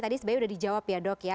tadi sebenarnya sudah dijawab ya dok ya